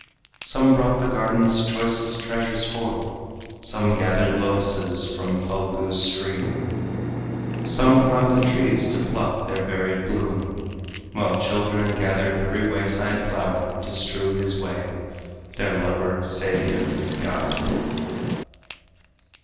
Some brought the garden's choicest treasures forth, Some gathered lotuses from Phalgu's stream, Some climbed the trees to pluck their varied bloom, While children gathered every wayside flower To strew his way their lover, savior, guide.